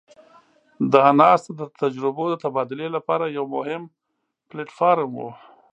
دا ناسته د تجربو د تبادلې لپاره یو مهم پلټ فارم وو.